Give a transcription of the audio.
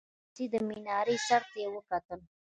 د مدرسې د مينارې سر ته يې وكتل.